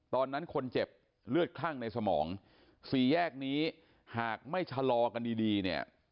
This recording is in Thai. ตอนนั้นคนเจ็บเลือดคลั่งในสมองสี่แยกนี้หากไม่ชะลอกันดีดีเนี่ย